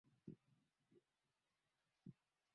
sheria ya binadamu ya kimataifa ilitakiwa kufanya kazi